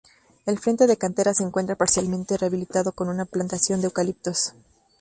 El frente de cantera se encuentra parcialmente rehabilitado con una plantación de eucaliptos.